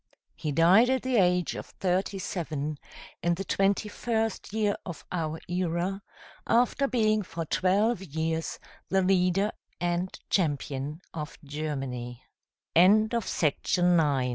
He died at the age of thirty seven, in the twenty first year of our era, after being for twelve years the leader and champion of Germany. TRAJAN By J. S.